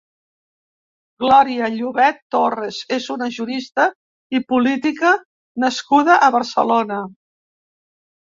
Glòria Llobet Torres és una jurista i política nascuda a Barcelona.